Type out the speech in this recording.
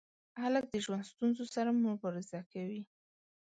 هلک د ژوند ستونزو سره مبارزه کوي.